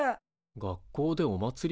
学校でおまつり？